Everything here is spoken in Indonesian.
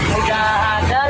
sudah ada lima puluh